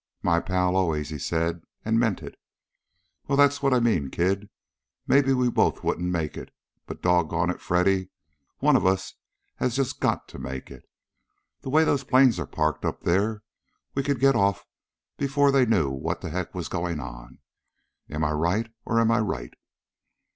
"My pal, always!" he said, and meant it. "Well, that's what I mean, kid. Maybe we both wouldn't make it, but doggone, it, Freddy! One of us has just got to make it. The way those planes are parked up there we could get off before they knew what the heck was going on! Am I right, or am I right?"